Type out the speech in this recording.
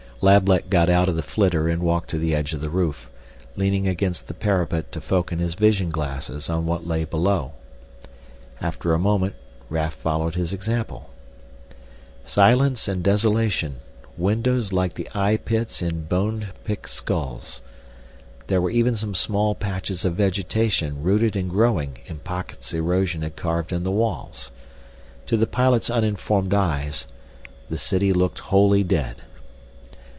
Lablet got out of the flitter and walked to the edge of the roof, leaning against the parapet to focus his vision glasses on what lay below. After a moment Raf followed his example. Silence and desolation, windows like the eye pits in bone picked skulls. There were even some small patches of vegetation rooted and growing in pockets erosion had carved in the walls. To the pilot's uninformed eyes the city looked wholly dead.